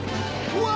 うわ！